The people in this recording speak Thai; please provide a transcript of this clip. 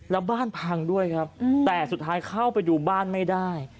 แล้วบ้านพังด้วยครับแต่สุดท้ายเข้าไปดูบ้านไม่ได้